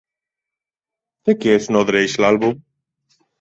De què es nodreix l'àlbum?